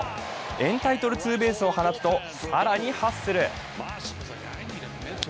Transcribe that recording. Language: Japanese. エンタイトルツーベースを放つと更にハッスル。